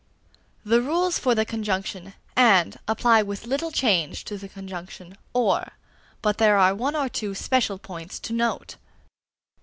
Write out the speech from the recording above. _ The rules for the conjunction "and" apply with little change to the conjunction "or"; but there are one or two special points to note.